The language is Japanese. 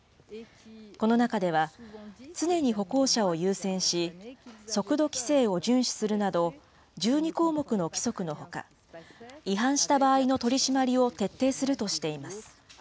この中では、常に歩行者を優先し、速度規制を順守するなど、１２項目の規則のほか、違反した場合の取締りを徹底するとしています。